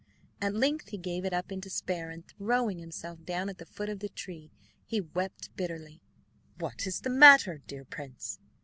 At length he gave it up in despair, and throwing himself down at the foot of the tree, he wept bitterly. "What is the matter, dear prince?"